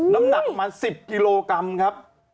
น้ำหนักมา๑๐กิโลกรัมครับ